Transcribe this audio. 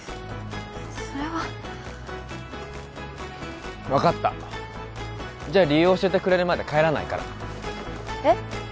それは分かったじゃあ理由教えてくれるまで帰らないからえっ？